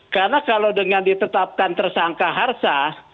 karena kalau dengan ditetapkan tersangka harsa